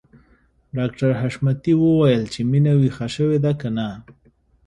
ډاکټر حشمتي وويل چې مينه ويښه شوې ده که نه